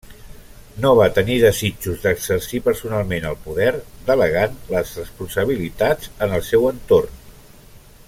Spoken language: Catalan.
No va tenir desitjos d'exercir personalment el poder delegant les responsabilitats en el seu entorn.